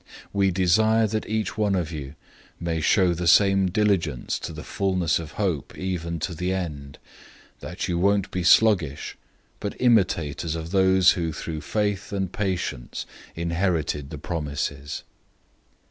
006:011 We desire that each one of you may show the same diligence to the fullness of hope even to the end, 006:012 that you won't be sluggish, but imitators of those who through faith and patience inherited the promises.